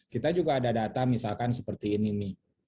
kita juga ada data misalkan seperti ini nih